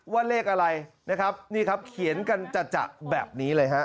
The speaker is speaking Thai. ว่าเลขอะไรนะครับนี่ครับเขียนกันจัดแบบนี้เลยฮะ